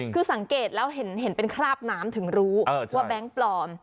คือสังเกตแล้วเห็นเป็นคราบน้ำถึงรู้ว่าแบงค์ปลอม